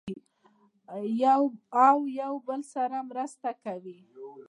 او یو بل سره مرسته کوي.